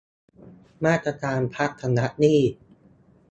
มาตรการพักชำระหนี้